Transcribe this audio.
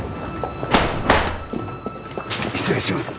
失礼します。